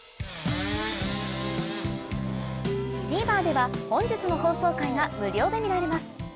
ＴＶｅｒでは本日の放送回が無料で見られます